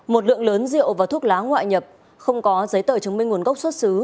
một lượng lớn rượu và thuốc lá ngoại nhập không có giấy tờ chứng minh nguồn gốc xuất xứ